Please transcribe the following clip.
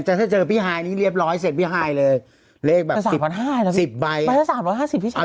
ถ้าใกล้ว่าตามให้ก่อน